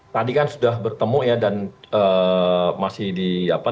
tadi kan sudah bertemu ya dan masih di apa